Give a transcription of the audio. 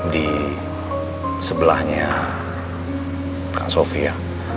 di sebelahnya kak sofia